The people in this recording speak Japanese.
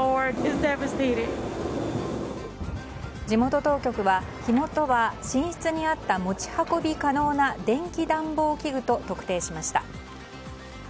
地元当局は火元は寝室にあった持ち運び可能な電気暖房器具と特定しました。